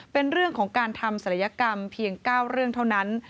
เป็นเรื่องของการทำศัลยกรรมเพียง๙เรื่องเท่านั้น